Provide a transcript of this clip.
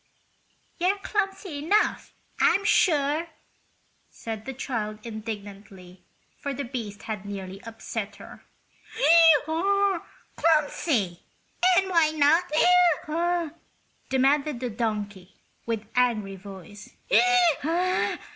"You're clumsy enough, I'm sure!" said the child, indignantly, for the beast had nearly upset her. "Clumsy! And why not?" demanded the donkey, with angry voice.